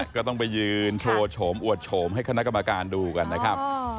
ก็ต้องไปยืนโชว์โฉมอวดโฉมให้คณะกรรมการดูกันนะครับ